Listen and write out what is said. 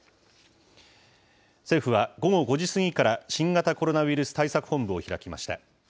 政府は午後５時過ぎから新型コロナウイルス対策本部を開きました。